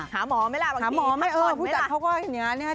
หาหมอไหมล่ะบางทีพักก่อนไหมล่ะเออพูดจากเขาก็อย่างนี้นะคะ